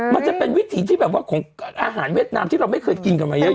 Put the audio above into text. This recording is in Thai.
มันจะเป็นวิถีที่แบบว่าของอาหารเวียดนามที่เราไม่เคยกินกันมาเยอะ